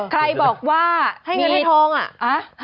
ใครบอกว่าให้เงินให้ทองอ่ะ